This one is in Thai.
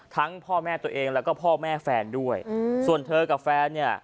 พ่อแม่ตัวเองแล้วก็พ่อแม่แฟนด้วยอืมส่วนเธอกับแฟนเนี่ย